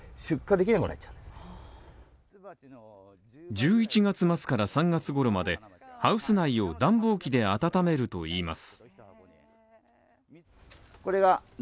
１１月末から３月頃までハウス内を暖房機で温めるといいます。